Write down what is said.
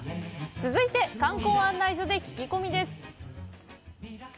続いて、観光案内所で聞き込みです。